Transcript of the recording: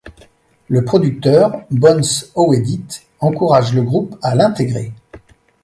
Le producteur, Bones Howedit, encourage le groupe à l'intégrer.